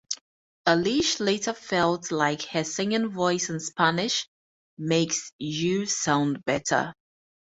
Eilish later felt like her singing voice in Spanish "makes you sound better".